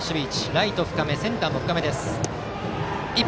ライト深め、センターも深めです。